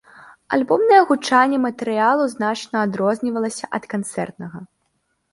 Альбомнае гучанне матэрыялу значна адрознівалася ад канцэртнага.